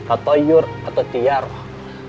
atoyur atau diyaroh